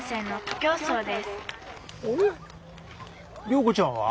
良子ちゃんは？